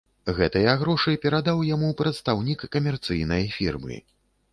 Гэтыя грошы перадаў яму прадстаўнік камерцыйнай фірмы.